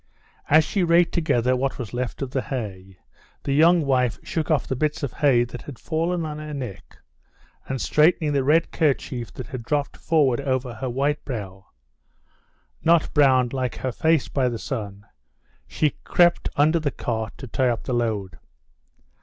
As she raked together what was left of the hay, the young wife shook off the bits of hay that had fallen on her neck, and straightening the red kerchief that had dropped forward over her white brow, not browned like her face by the sun, she crept under the cart to tie up the load.